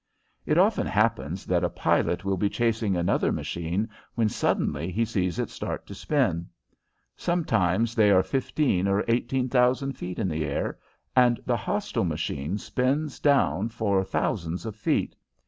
It often happens that a pilot will be chasing another machine when suddenly he sees it start to spin. Perhaps they are fifteen or eighteen thousand feet in the air, and the hostile machine spins down for thousands of feet.